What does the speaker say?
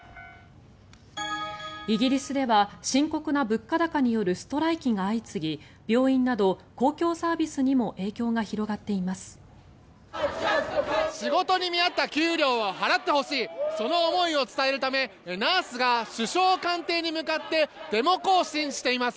イギリスでは深刻な物価高によるストライキが相次ぎ病院など公共サービスにも影響が広がっています。